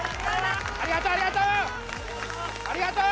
ありがとう、ありがとう！